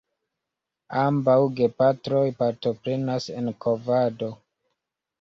Ambaŭ gepatroj partoprenas en kovado.